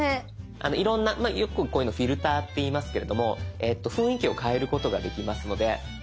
いろんなよくこういうのを「フィルター」っていいますけれども雰囲気を変えることができますので。